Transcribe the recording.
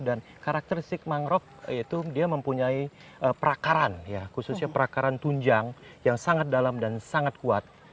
dan karakteristik mangrove itu dia mempunyai perakaran ya khususnya perakaran tunjang yang sangat dalam dan sangat kuat